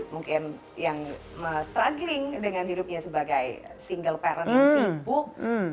mungkin yang struggling dengan hidupnya sebagai single parent yang sibuk